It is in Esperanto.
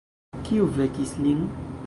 Kiu vekis lin?